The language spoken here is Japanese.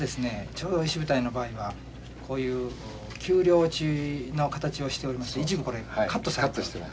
ちょうど石舞台の場合はこういう丘陵地の形をしておりまして一部これカットして。